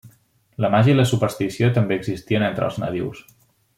La màgia i la superstició també existien entre els nadius.